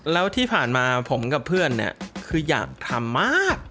แล้วที่ผ่านมาผมกับเพื่อนเนี่ยคืออยากทำมาก